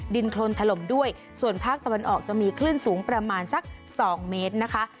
ดินโครนถล่มด้วยส่วนภาคตะวันออกจะมีคลื่นสูงประมาณสักสองเมตรนะคะ